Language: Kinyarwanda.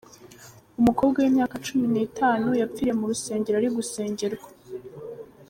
Umukobwa w’imyaka cumi nitanu yapfiriye mu rusengero ari gusengerwa